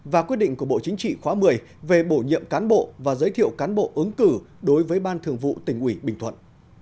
và quyết định của bộ chính trị khóa một mươi về bổ nhiệm cán bộ và giới thiệu cán bộ ứng cử đối với ban thường vụ tỉnh ủy bình thuận